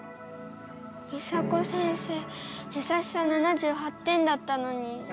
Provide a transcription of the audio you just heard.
ミサコ先生やさしさ７８点だったのに。